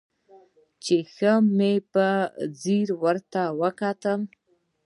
چې ښه مې په ځير ورته وکتل.